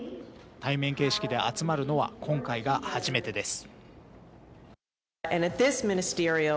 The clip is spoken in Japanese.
対面形式で集まるのは今回が初めてです。